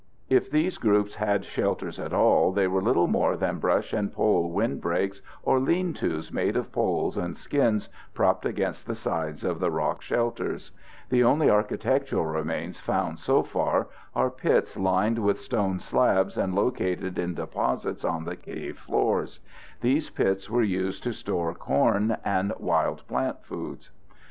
If these groups had shelters at all, they were little more than brush and pole windbreaks or lean tos made of poles and skins propped against the sides of the rock shelters. The only architectural remains found so far are pits lined with stone slabs and located in deposits on the cave floors. These pits were used to store corn and wild plant foods.